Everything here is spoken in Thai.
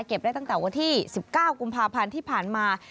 ได้ตั้งแต่วันที่๑๙กุมภาพันธ์ที่ผ่านมา